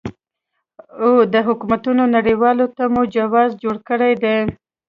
او د حکومتونو نړولو ته مو جواز جوړ کړی دی.